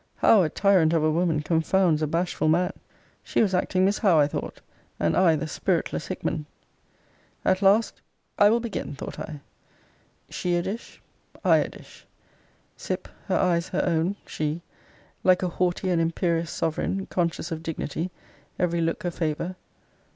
How a tyrant of a woman confounds a bashful man! She was acting Miss Howe, I thought; and I the spiritless Hickman. At last, I will begin, thought I. She a dish I a dish. Sip, her eyes her own, she; like a haughty and imperious sovereign, conscious of dignity, every look a favour.